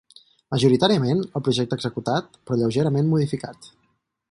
Majoritàriament el projecte executat, però lleugerament modificat.